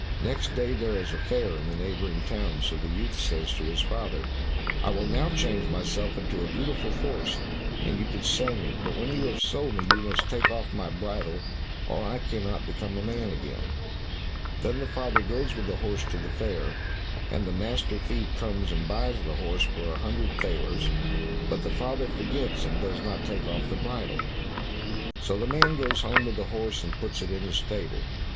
Next day there is a fair in the neighboring town, so the youth says to his father, "I will now change myself into a beautiful horse, and you can sell me; but when you have sold me, you must take off my bridle, or I cannot become a man again." Then the father goes with the horse to the fair, and the master thief comes and buys the horse for a hundred thalers, but the father forgets, and does not take off the bridle. So the man goes home with the horse, and puts it in the stable.